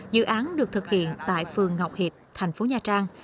dự án được thực hiện tại phường ngọc hiệp thành phố nha trang